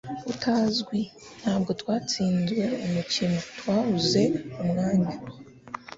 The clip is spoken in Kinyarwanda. Utazwi Ntabwo twatsinzwe umukino; twabuze umwanya.